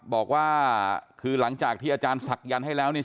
บอกว่าคือหลังจากที่อาจารย์ศักยันต์ให้แล้วเนี่ย